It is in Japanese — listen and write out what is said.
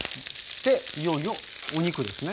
でいよいよお肉ですね。